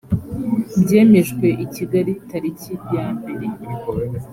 byemejwe i kigali tariki yambere